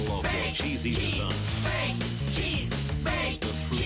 チーズ！